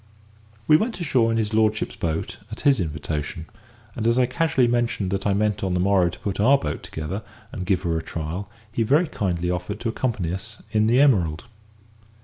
We went ashore in his lordship's boat at his invitation; and as I casually mentioned that I meant on the morrow to put our "boat" together and give her a trial, he very kindly offered to accompany us in the Emerald.